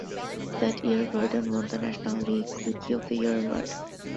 That year, Virdon won the National League Rookie of the Year Award.